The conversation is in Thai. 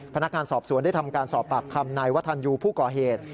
พนักงานสอบสวนได้ทำการสอบปากคำนายวัฒนยูผู้ก่อเหตุ